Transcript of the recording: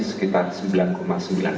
sekitar sembilan sembilan km